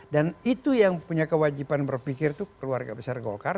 dan itu yang punya kewajiban berpikir itu keluarga besar golkar